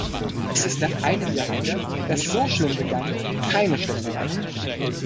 Dies ist nach einem Jahrhundert, das so schlimm begann, keine schlechte Leistung.